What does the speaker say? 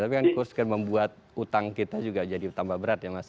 tapi kan cost kan membuat utang kita juga jadi tambah berat ya mas